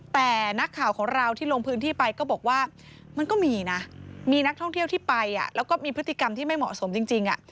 แต่นักข่าวของเราที่ลงพื้นที่ไปก็บอกว่ามันก็มีนะมีนักท่องเที่ยวที่ไปแล้วก็มีพฤติกรรมที่ไม่เหมาะสมจริง